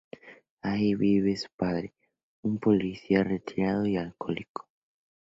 Allí vive su padre, un policía retirado y alcohólico.